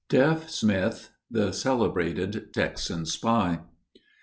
DEAF SMITH, THE CELEBRATED TEXAN SPY.